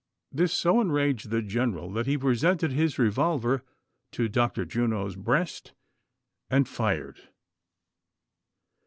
This so enraged the general, that he presented his revolver to Dr. Juno's breast, and fired.